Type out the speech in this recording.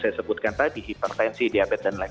saya sebutkan tadi hipertensi diabetes dan lain